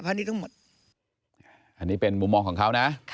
นี่เป็นมุมมองของเขานะ